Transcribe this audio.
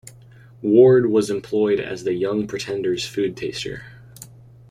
Ward was employed as the Young Pretender's food taster.